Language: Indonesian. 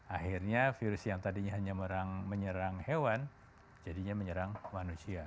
akhirnya virus yang tadinya hanya menyerang hewan jadinya menyerang manusia